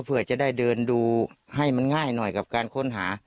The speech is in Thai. เพื่อจะได้เดินดูให้มันง่ายหน่อยกับการค้นหา